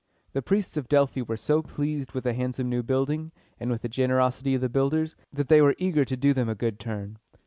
The priests of Delphi were so pleased with the handsome new building, and with the generosity of the builders, that they were eager to do them a good turn.